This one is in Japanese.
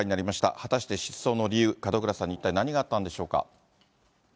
果たして失踪の理由、門倉さんに一体何があったんでしょうか。